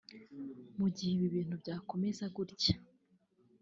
Mu gihe ibintu byakomeza gutya